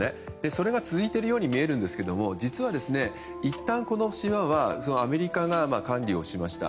それが続いているように見えるんですが実は、いったんこの島はアメリカが管理をしました。